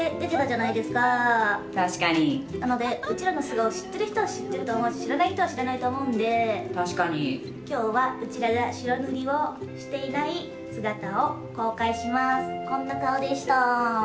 なので、うちらの素顔を知っている人は知っているし知らない人は知らないと思うんで今日はうちらが白塗りをしていない姿を公開しまーす、こんな顔でした。